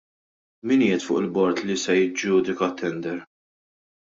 Min qiegħed fuq il-bord li se jiġġudika t-tender?